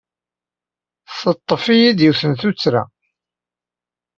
Tetter-iyi-d yiwet n tuttra.